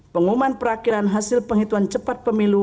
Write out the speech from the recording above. pengumuman perakhiran hasil penghitungan cepat pemilu